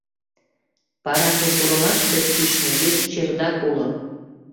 — Парадный пурымаште кӱшнӧ вес чердак уло.